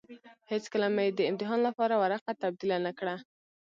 هېڅکله مې يې د امتحان لپاره ورقه تبديله نه کړه.